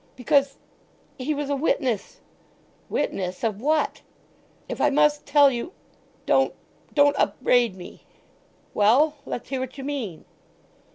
"Because—he was a witness!" "Witness? Of what? "If I must tell you——. Don't, don't upbraid me!" "Well! Let's hear what you mean?"